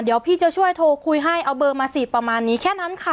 เดี๋ยวพี่จะช่วยโทรคุยให้เอาเบอร์มาสิประมาณนี้แค่นั้นค่ะ